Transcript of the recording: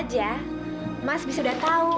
tapi sesuai itu aku